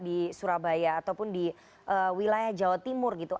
di surabaya ataupun di wilayah jawa timur gitu